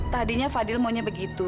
tadinya fadil maunya begitu